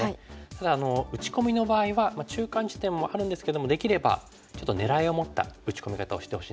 ただ打ち込みの場合は中間地点もあるんですけどもできればちょっと狙いを持った打ち込み方をしてほしいんですね。